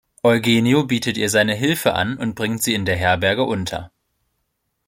Eugenio bietet ihr seine Hilfe an und bringt sie in der Herberge unter.